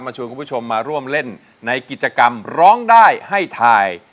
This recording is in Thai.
ชวนคุณผู้ชมมาร่วมเล่นในกิจกรรมร้องได้ให้ทาย